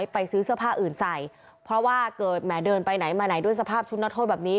ไปซื้อเสื้อผ้าอื่นใส่เพราะว่าเกิดแหมเดินไปไหนมาไหนด้วยสภาพชุดนักโทษแบบนี้